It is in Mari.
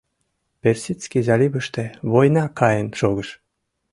Персидский заливыште война каен шогыш.